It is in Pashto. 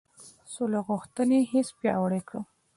سوله غوښتنې حس پیاوړی کړو.